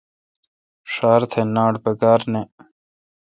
ݭار تھہ ناٹ پکار نہ۔